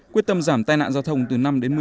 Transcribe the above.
quyết tâm giảm tai nạn giao thông từ năm đến một mươi